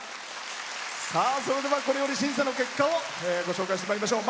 それでは、これより審査の結果をご紹介してまいりましょう。